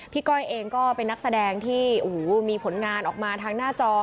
ก้อยเองก็เป็นนักแสดงที่มีผลงานออกมาทางหน้าจอ